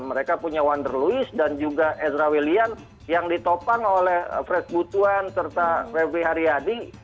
mereka punya wonder louis dan juga ezra willian yang ditopang oleh fred butuan serta revie haryadi